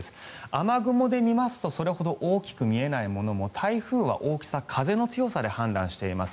雨雲で見ますとそれほど大きく見えないものも台風は大きさ、風の強さで判断しています。